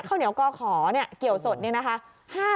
ข้าวเหนียวกอขอเกี่ยวสดนี่นะคะ